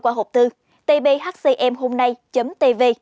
qua hộp tư tbhcmhômnay tv